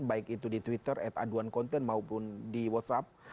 baik itu di twitter at aduan konten maupun di whatsapp